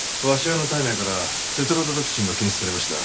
鷲尾の体内からテトロドトキシンが検出されました。